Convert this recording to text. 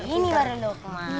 ini baru luqman